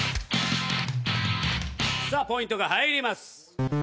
さあポイントが入ります。